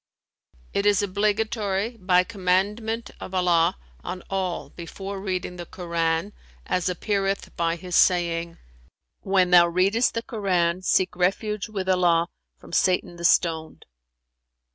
"It is obligatory by commandment of Allah on all before reading the Koran, as appeareth by His saying, 'When thou readest the Koran, seek refuge with Allah from Satan the Stoned.'"